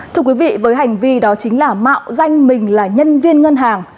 thưa quý vị với hành vi đó chính là mạo danh mình là nhân viên ngân hàng